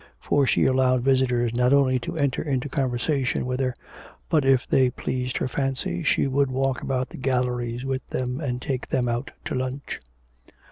For she allowed visitors not only to enter into conversation with her, but if they pleased her fancy she would walk about the galleries with them and take them out to lunch.